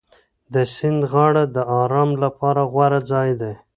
د سیند غاړه د ارام لپاره غوره ځای دی.